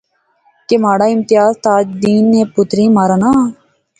کہ مہاڑا امتیاز تاج دین نے پتریں مارانا